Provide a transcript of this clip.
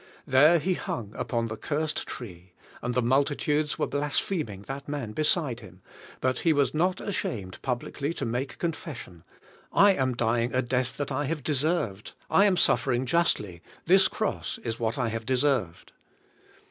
There he hung upon the cursed tree, and the multitudes were blaspheming that man beside him, but he was not ashamed publicly to make confession: "I am dying a death that I have deserved; I am suffering justly; this cross is what I have deserved."